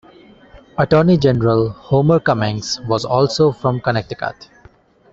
Attorney General Homer Cummings was also from Connecticut.